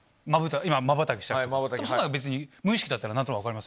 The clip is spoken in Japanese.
そんなの別に無意識だってのは何となく分かります？